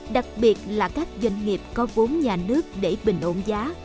đặc biệt là các doanh nghiệp có vốn nhà nước để bình ổn giá